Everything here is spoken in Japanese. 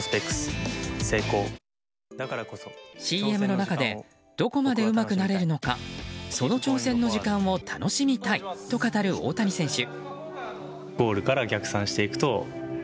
ＣＭの中でどこまでうまくなれるのかその挑戦の時間を楽しみたいと語る大谷選手。